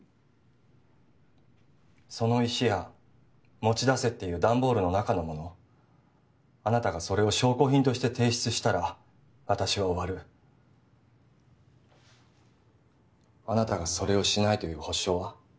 その石や持ち出せっていうダンボールの中のものあなたがそれを証拠品として提出したら私は終わるあなたがそれをしないという保証は？